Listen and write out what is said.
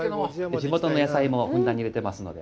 地元の野菜もふんだんに入れてますので。